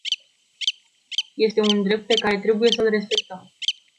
Este un drept pe care trebuie să-l respectăm.